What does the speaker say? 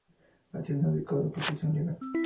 Hacia una adecuada protección legal.